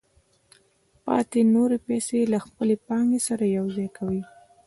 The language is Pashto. پاتې نورې پیسې له خپلې پانګې سره یوځای کوي